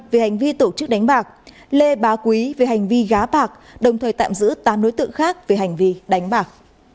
về hành vi tổ chức đánh bạc lê bá quý về hành vi gá bạc đồng thời tạm giữ tám đối tượng khác về hành vi đánh bạc